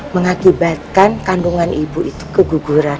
mengakibatkan kandungan ibu itu keguguran